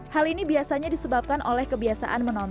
hal ini biasanya disebabkan oleh kebiasaan menonton